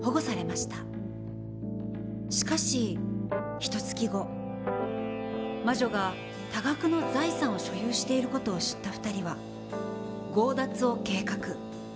しかしひとつき後魔女が多額の財産を所有している事を知った２人は強奪を計画。